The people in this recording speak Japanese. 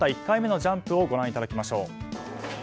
１回目のジャンプをご覧いただきましょう。